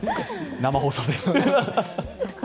生放送です。